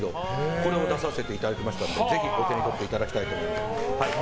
これを出させていただきますのでお手に取っていただきたいです。